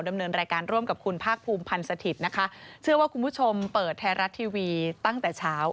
ดำเนินรายการร่วมกับคุณภาคภูมิพันธ์สถิตย์นะคะเชื่อว่าคุณผู้ชมเปิดไทยรัฐทีวีตั้งแต่เช้า